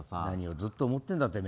何をずっと思ってんだ